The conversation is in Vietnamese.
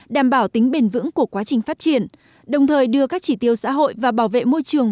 đảm bảo tính bền vững của quá trình phát triển đồng thời đưa các chỉ tiêu xã hội và bảo vệ môi trường